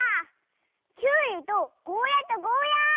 きゅうりとゴーヤーとゴーヤー！